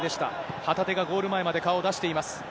旗手がゴール前まで顔を出しています。